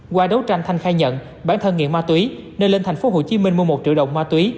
qua đấu tranh thanh khai nhận bán thân nghiện ma túy nơi lên thành phố hồ chí minh mua một triệu đồng ma túy